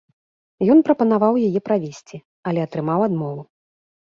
Ён прапанаваў яе правесці, але атрымаў адмову.